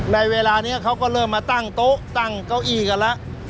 ในเวลานี้เขาก็เริ่มมาตั้งโต๊ะตั้งเก้าอี้กันแล้ว